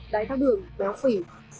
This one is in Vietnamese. đáy thác đường béo phỉ